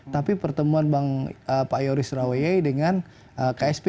tapi pertemuan pak yoris rawei dengan ksp